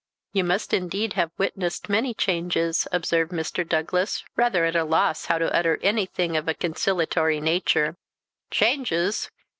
"You must, indeed, have witnessed many changes," observed Mr. Douglas, rather at a loss how to utter anything of a conciliatory nature. "Changes!